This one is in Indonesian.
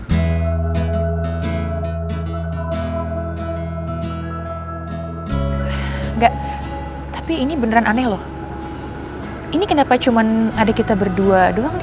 enggak tapi ini beneran aneh loh ini kenapa cuman adik kita berdua doang